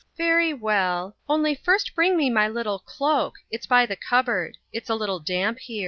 [Shy] Very well, only first bring me my little cloak.... It's by the cupboard. It's a little damp here.